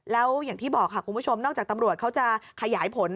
แล้วอย่างที่บอกค่ะคุณผู้ชมนอกจากตำรวจเขาจะขยายผล